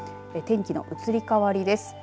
天気の移り変わりです。